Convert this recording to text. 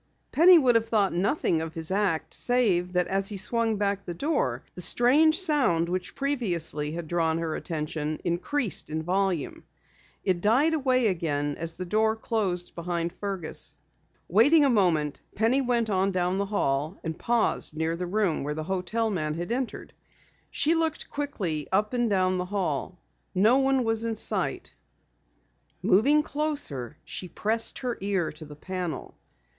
Penny would have thought nothing of his act, save that as he swung back the door, the strange sound which previously had drawn her attention, increased in volume. It died away again as the door closed behind Fergus. Waiting a moment, Penny went on down the hall and paused near the room where the hotel man had entered. She looked quickly up and down the hall. No one was in sight. Moving closer, she pressed her ear to the panel.